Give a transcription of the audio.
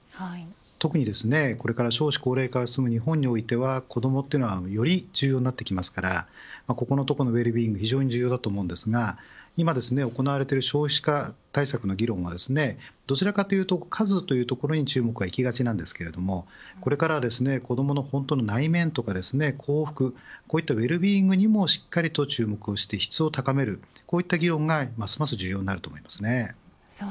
特にこれから少子高齢化が進む日本においては子どもはより重要になってきますのでここのウェルビーイングが非常に重要だと思いますが今行われている少子化対策の議論はどちらかというと数というところに注目がいきがちですがこれからは子どもの内面や幸福といったウェルビーイングにもしっかりと注目して質を高める議論がますます重要になると思います。